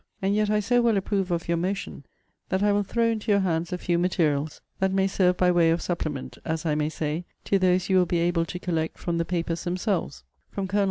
And yet I so well approve of your motion, that I will throw into your hands a few materials, that may serve by way of supplement, as I may say, to those you will be able to collect from the papers themselves; from Col.